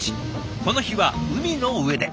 この日は海の上で。